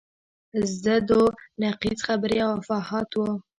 ضد و نقیض خبرې او افواهات وو.